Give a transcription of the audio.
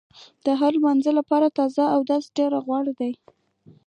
د هر مانځه لپاره تازه اودس کول ډېر غوره دي.